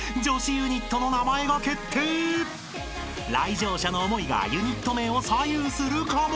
［来場者の思いがユニット名を左右するかも！？］